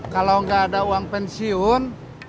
kalau nggak ada uang pensiun